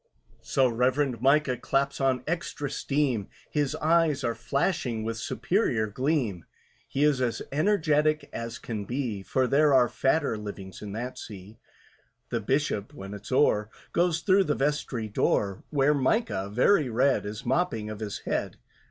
So REVEREND MICAH claps on extra steam, His eyes are flashing with superior gleam, He is as energetic as can be, For there are fatter livings in that see. The Bishop, when it's o'er, Goes through the vestry door, Where MICAH, very red, Is mopping of his head.